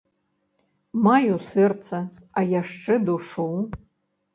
Маю сэрца, а яшчэ душу.